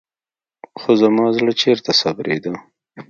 خو زما زړه چېرته صبرېده.